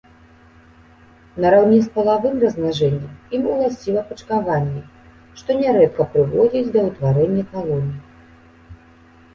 Нараўне з палавым размнажэннем ім уласціва пачкаванне, што нярэдка прыводзіць да ўтварэння калоній.